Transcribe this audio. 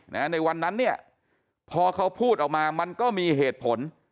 ในวันนั้นเนี่ยพอเขาพูดออกมามันก็มีเหตุผล